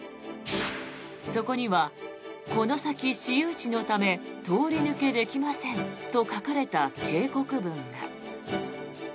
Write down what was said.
そこにはこの先、私有地のため通り抜けできませんと書かれた警告文が。